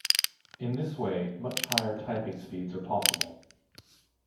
In this way, much higher typing speeds are possible.